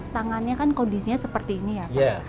tangannya kan kondisinya seperti ini ya pak